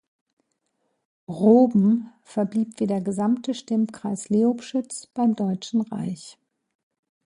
Roben verblieb wie der gesamte Stimmkreis Leobschütz beim Deutschen Reich.